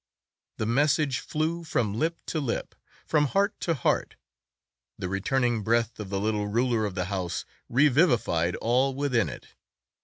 The message flew from lip to lip, from heart to heart. The returning breath of the little ruler of the house revivified all within it.